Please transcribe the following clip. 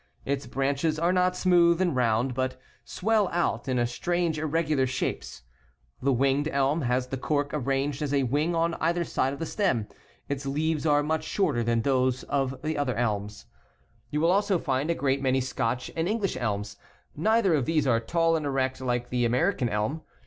Its Ip brinches are not smooth and round, but 'wZJ swell out in strange irregular shapes (Fig S) The \ mged elm has the cork arranged s i uing on either side of the stem. Its lea\es are much shorter than those of the other elms. 23 You will also find a great many Scotch and Eng lish elms. Neither of these are tall and erect like the American elm.